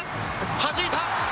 はじいた。